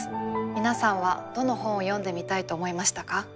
皆さんはどの本を読んでみたいと思いましたか？